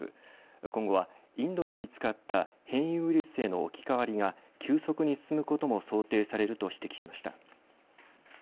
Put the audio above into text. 今後はインドで見つかった変異ウイルスへの置き換わりが急速に進むことも想定されると指摘しました。